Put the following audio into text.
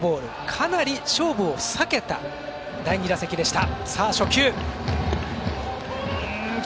かなり勝負を避けた第２打席でした。